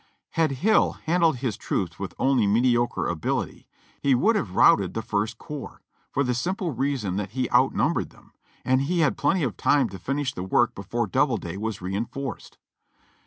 Had Hill handled his troops with only mediocre ability, he would have routed the First Corps, for the simple reason that he outnumbered them, and he had plenty of time to finish the work before Doubleday was reinforced.